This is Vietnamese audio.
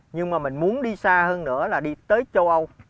nhưng mà mình muốn đi xa hơn nữa là đi tới châu âu